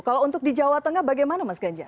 kalau untuk di jawa tengah bagaimana mas ganjar